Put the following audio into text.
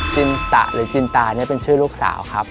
จินตะหรือจินตาเนี่ยเป็นชื่อลูกสาวครับ